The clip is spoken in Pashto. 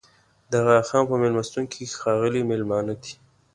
د اغاخان په مېلمستون کې ښاغلي مېلمانه دي.